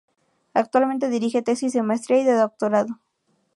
Actualmente dirige tesis de maestría y de doctorado.